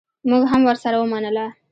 مونږ هم ورسره ومنله.